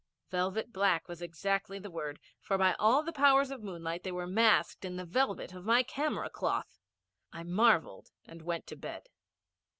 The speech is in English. Velvet black was exactly the word, for by all the powers of moonlight they were masked in the velvet of my camera cloth! I marvelled and went to bed.